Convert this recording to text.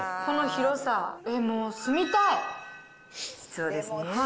この広さ、もう住みたい。